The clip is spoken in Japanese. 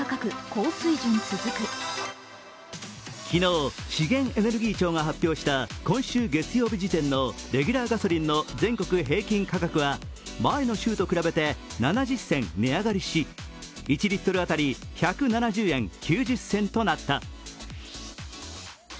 昨日、資源エネルギー庁が発表した今週月曜日時点のレギュラーガソリンの全国平均価格は前の週と比べて７０銭値上がりし、１リットル当たり１７０円９０銭となった。